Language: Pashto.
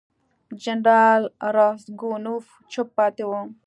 جنرال راسګونوف چوپ پاتې وو.